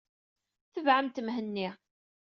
Tebɛemt Mhenni!